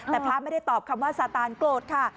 แต่พระอาบไปที่ตอบคำว่าสาธารโกรธค่ะ